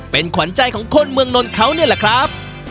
เป็นขวัญใจของคนเมืองนนท์เขานี่แหละครับ